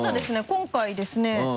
今回ですね